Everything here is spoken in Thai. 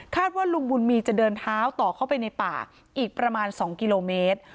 ว่าลุงบุญมีจะเดินเท้าต่อเข้าไปในป่าอีกประมาณ๒กิโลเมตร